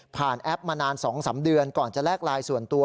แอปมานาน๒๓เดือนก่อนจะแลกไลน์ส่วนตัว